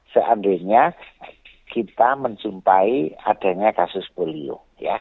seandainya kita menjumpai adanya kasus polio